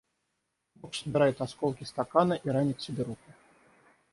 Муж собирает осколки стакана и ранит себе руку.